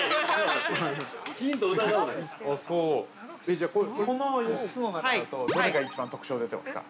◆じゃあ、この４つの中だとどれが一番特徴、出てますか。